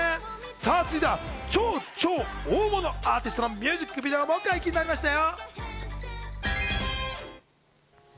続いては超超大物アーティストのミュージックビデオも解禁になりましたよ。